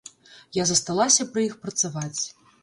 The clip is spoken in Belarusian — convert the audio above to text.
Я засталася пры іх працаваць.